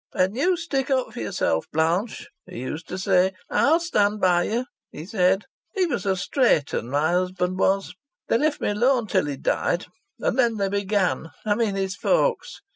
'And you stick up for yourself, Blanche,' he used to say. 'I'll stand by you,' he said. He was a straight 'un, my husband was. They left me alone until he died. And then they began I mean his folks.